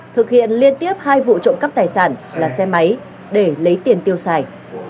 thực hiện liên tiếp hai vụ trộm cắp tài sản là xe máy để lấy tiền tiêu xài